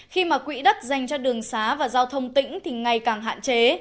khi mà quỹ đất dành cho đường xá và giao thông tỉnh thì ngày càng hạn chế